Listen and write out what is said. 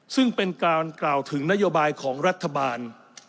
ซึ่งเป็นการกล่าวถึงนโยบายของรัฐบาล